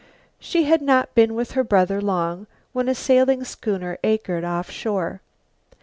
She had not been with her brother long when a sailing schooner anchored off shore.